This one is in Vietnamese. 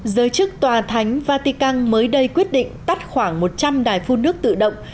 giới chức tòa thánh vatican mới đây quyết định tắt khoảng một trăm linh đài phun nước tự động